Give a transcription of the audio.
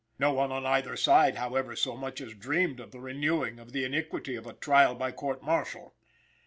No one on either side, however, so much as dreamed of renewing the iniquity of a trial by court martial.